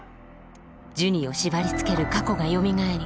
ジュニを縛りつける過去がよみがえり